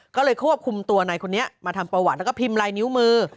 ก็เลยควบคุมตัวในคนนี้มาทำประวัติแล้วก็พิมพ์ลายนิ้วมือ